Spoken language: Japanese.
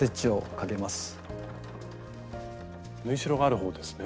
縫いしろがある方ですね。